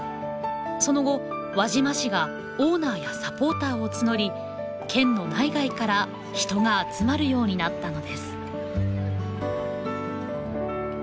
その後輪島市がオーナーやサポーターを募り県の内外から人が集まるようになったのです。